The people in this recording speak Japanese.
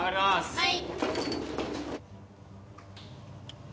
はい。